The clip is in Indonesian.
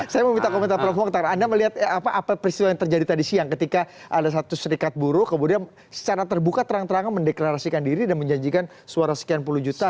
saya mau minta komentar prof mokhtar anda melihat apa peristiwa yang terjadi tadi siang ketika ada satu serikat buruh kemudian secara terbuka terang terangan mendeklarasikan diri dan menjanjikan suara sekian puluh juta